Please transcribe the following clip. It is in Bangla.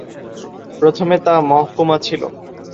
প্রথমে তা মহকুমা ছিল।